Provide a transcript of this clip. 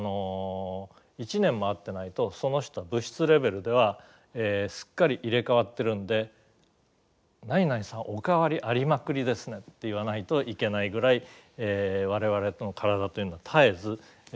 １年も会ってないとその人は物質レベルではすっかり入れ代わってるんで「何々さんお変わりありまくりですね」って言わないといけないぐらい我々の体というのは絶えず入れ代わってるわけなんです。